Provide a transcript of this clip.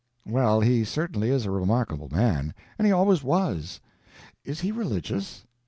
"Well, he certainly is a remarkable man—and he always was. Is he religious?"